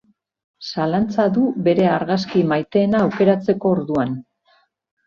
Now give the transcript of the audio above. Zalantza du bere argazki maiteena aukeratzeko orduan.